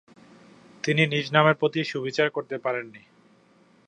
তিনি নিজ নামের প্রতি সুবিচার করতে পারেননি।